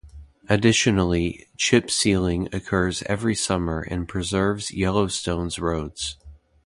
Additionally, chip sealing occurs every summer and preserves Yellowstone's roads.